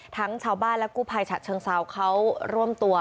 ชาวบ้านและกู้ภัยฉะเชิงเซาเขาร่วมตัว